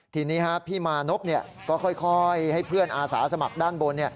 ทีนี้พี่มานพก็ค่อยให้เพื่อนอาสาสมัครด้านบน